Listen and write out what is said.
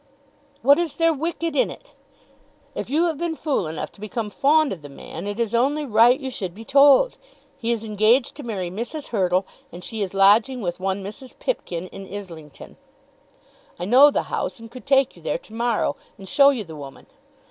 "What is there wicked in it? If you have been fool enough to become fond of the man, it is only right you should be told. He is engaged to marry Mrs. Hurtle, and she is lodging with one Mrs. Pipkin in Islington. I know the house, and could take you there to morrow, and show you the woman.